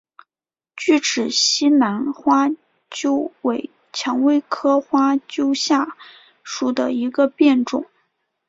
巨齿西南花楸为蔷薇科花楸属下的一个变种。